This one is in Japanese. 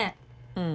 うん。